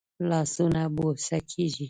لاسونه بوسه کېږي